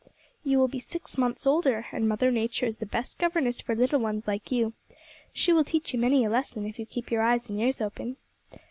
'You will be six months older, and old Mother Nature is the best governess for little ones like you. She will teach you many a lesson, if you keep your eyes and ears open.'